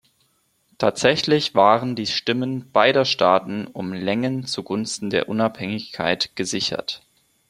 Tatsächlich waren die Stimmen beider Staaten um Längen zugunsten der Unabhängigkeit gesichert.